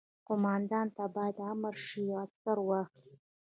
قوماندان ته باید امر شي عسکر واخلي.